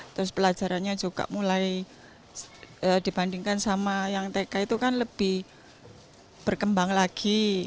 terus pelajarannya juga mulai dibandingkan sama yang tk itu kan lebih berkembang lagi